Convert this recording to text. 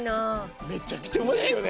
めちゃくちゃうまいですよね。